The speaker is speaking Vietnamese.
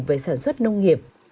về sản xuất nông nghiệp